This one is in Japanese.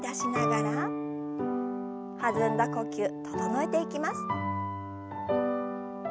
弾んだ呼吸整えていきます。